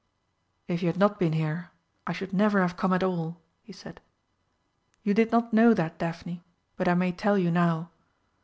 "If you had not been here, I should never have come at all," he said; "you did not know that, Daphne, but I may tell you now.